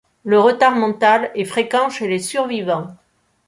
Le retard mental est fréquent chez les survivants.